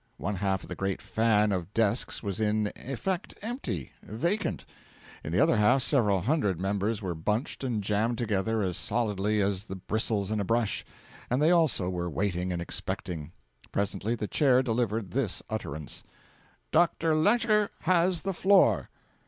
One half of the great fan of desks was in effect empty, vacant; in the other half several hundred members were bunched and jammed together as solidly as the bristles in a brush; and they also were waiting and expecting. Presently the Chair delivered this utterance: 'Dr. Lecher has the floor.'